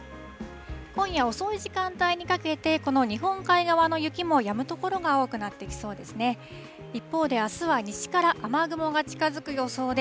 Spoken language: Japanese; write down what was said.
今夜遅い時間帯にかけて、この日本海側の雪もやむ所が多くなってきそうですね。